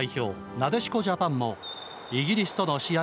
なでしこジャパンもイギリスとの試合